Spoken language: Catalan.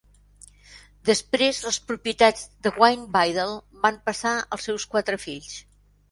Després, les propietats de Winebiddle van passar als seus quatre fills.